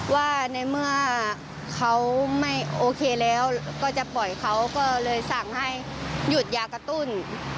ว่าในเมื่อเขาไม่โอเคแล้วก็จะปล่อยเขาก็เลยสั่งให้หยุดยากระตุ้น